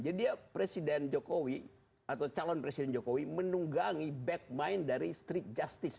jadi ya presiden jokowi atau calon presiden jokowi menunggangi backman dari street justice